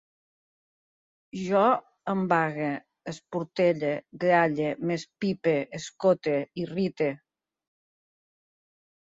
Jo embague, esportelle, gralle, m'espipe, escote, irrite